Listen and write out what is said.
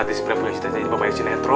ustad disipre purestasi bapak ibu ciletron